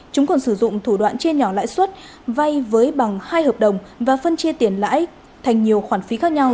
chúng còn sử dụng thủ đoạn chia nhỏ lãi suất vay với bằng hai hợp đồng và phân chia tiền lãi thành nhiều khoản phí khác nhau